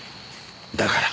だから。